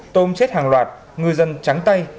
tôm chết hàng loạt ngư dân trắng tay